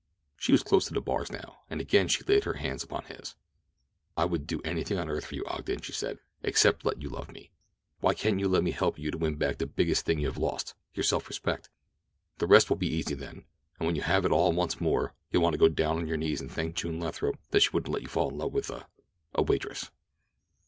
She was close to the bars now, and again she laid her hand upon his. "I would do anything on earth for you, Ogden," she said, "except let you love me. Why can't you let me help you to win back the biggest thing you have lost—your self respect? The rest will be easy then, and when you have it once more you'll want to get down on your knees and thank June Lathrop that she wouldn't let you fall in love with a—waitress."